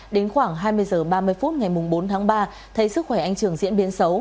đến khoảng hai mươi h ba mươi phút ngày bốn tháng ba thấy sức khỏe anh trường diễn biến xấu